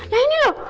nah ini loh